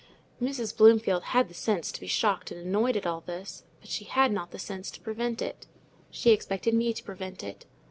Mrs. Bloomfield had the sense to be shocked and annoyed at all this, but she had not sense to prevent it: she expected me to prevent it.